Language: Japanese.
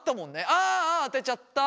ああ当てちゃった。